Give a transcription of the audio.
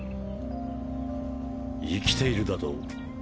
生きているだと？